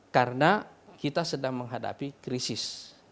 karena kita sedang menghadapi krisis